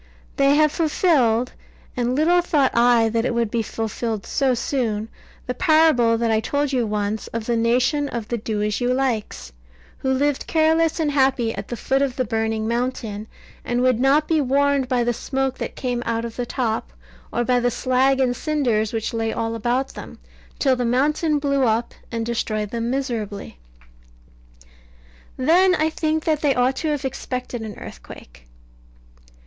They have fulfilled (and little thought I that it would be fulfilled so soon) the parable that I told you once, of the nation of the Do as you likes, who lived careless and happy at the foot of the burning mountain, and would not be warned by the smoke that came out of the top, or by the slag and cinders which lay all about them; till the mountain blew up, and destroyed them miserably. Then I think that they ought to have expected an earthquake.